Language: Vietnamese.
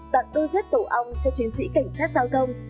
tặng đôi dép tổ ong cho chiến sĩ cảnh sát giao thông